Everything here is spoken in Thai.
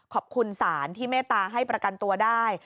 ขอบคุณศาลที่เมตตาให้ประกันตัวได้